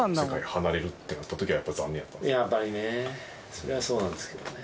それはそうなんですけどね。